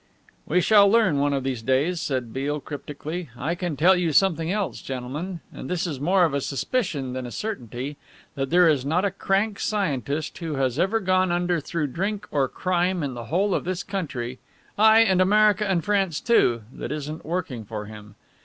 "We shall learn one of these days," said Beale cryptically. "I can tell you something else, gentlemen, and this is more of a suspicion than a certainty, that there is not a crank scientist who has ever gone under through drink or crime in the whole of this country, aye, and America and France, too, that isn't working for him.